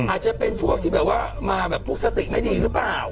อาจจะเป็นพวกที่แบบว่ามาแบบพวกสติไม่ดีหรือเปล่า